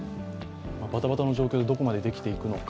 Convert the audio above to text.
バタバタの状況でどこまでできていくのか。